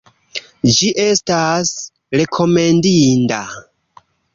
Ĝi estas rekomendinda.